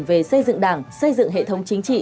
về xây dựng đảng xây dựng hệ thống chính trị